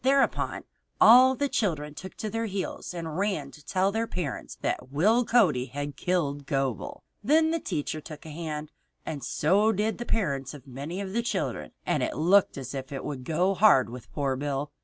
Thereupon all the children took to their heels and ran to tell their parents that Will Cody had killed Gobel. Then the teacher took a hand, and so did the parents of many of the children, and it looked as if it would go hard with poor Bill.